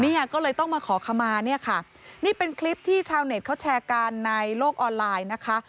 เนี่ยก็เลยต้องมาขอขมาเนี่ยค่ะนี่เป็นคลิปที่ชาวเน็ตเขาแชร์กันในโลกออนไลน์นะคะ